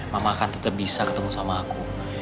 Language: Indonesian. mama akan tetap bisa ketemu sama aku